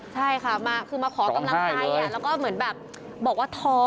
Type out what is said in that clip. ใช่ค่ะคือมาขอกำลังใจแล้วก็เหมือนแบบบอกว่าท้อ